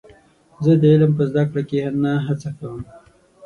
زه د علم په زده کړه کې نه هڅه کوم.